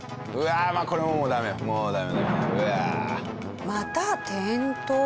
ああこれももうダメもうダメ。